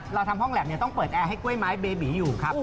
เราทำห้องแล็บต้องเปิดแอร์ให้กล้วยไม้เบบีอยู่ครับ